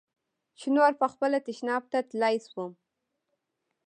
چې نور پخپله تشناب ته تلاى سوم.